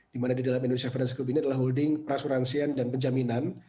di mana di dalam indonesia financial group ini adalah holding perasuransian dan penjaminan